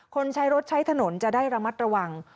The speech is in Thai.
ใช้รถใช้ถนนจะได้ระมัดระวัง